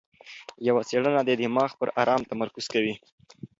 یوه څېړنه د دماغ پر ارام تمرکز کوي.